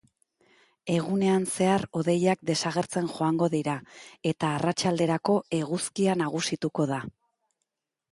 Egunean zehar hodeiak desagertzen joango dira, eta arratsalderako eguzkia nagusituko da.